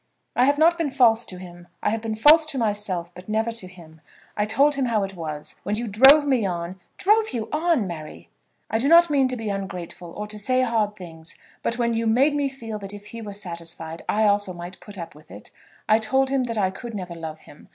"I have not been false to him. I have been false to myself, but never to him. I told him how it was. When you drove me on " "Drove you on, Mary?" "I do not mean to be ungrateful, or to say hard things; but when you made me feel that if he were satisfied I also might put up with it, I told him that I could never love him.